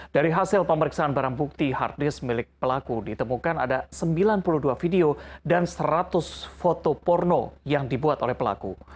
dari hasil pemeriksaan barang bukti hard disk milik pelaku ditemukan ada sembilan puluh dua video dan seratus foto porno yang dibuat oleh pelaku